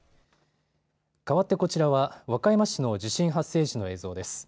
かわってこちらは和歌山市の地震発生時の映像です。